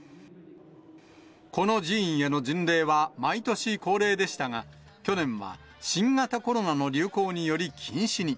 この寺院への巡礼は毎年恒例でしたが、去年は新型コロナの流行により禁止に。